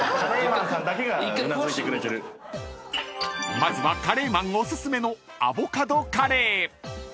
［まずはカレーマンお薦めのアボカドカレー］